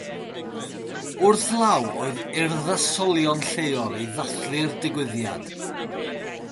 Wrth law oedd urddasolion lleol i ddathlu'r digwyddiad.